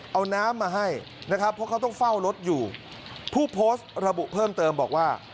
เอาน้ำมาให้นะครับเพราะเขาต้องเฝ้ารถอยู่ผู้โพสต์ระบุเพิ่มเติมบอกว่า